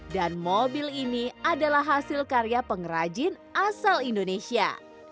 dan mobil ini adalah hasil karya pengrajin asal indonesia